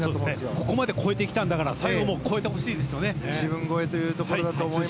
ここまで超えてきたんだから最後も超えてほしいですよね。